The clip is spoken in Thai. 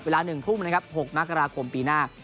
จาก๑ทุ่ม๖นักกราคมปีหน้า